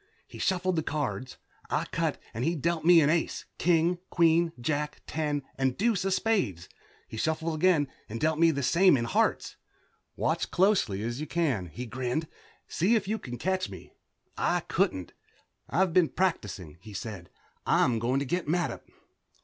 He shuffled the cards, I cut, and he dealt me an ace, king, queen, jack, ten and deuce of spades. He shuffled again and dealt me the same in hearts. "Watch as closely as you can," he grinned. "See if you can catch me." I couldn't. "I've been practicing," he said. "I'm going to get Mattup."